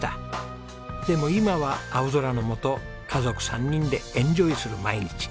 でも今は青空のもと家族３人でエンジョイする毎日。